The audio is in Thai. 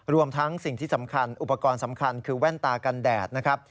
รวมทั้งสิ่งที่สำคัญอุปกรณ์สำคัญคือแว่นตากันแดดนะครับ